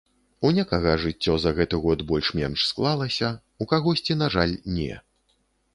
У некага жыццё за гэты год больш-менш склалася, у кагосьці, на жаль, не.